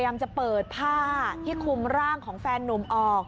จะเปิดผ้าที่คุมร่างของแฟนนุ่มออก